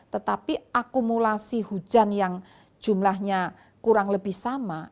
tetapi akumulasi hujan yang jumlahnya kurang lebih sama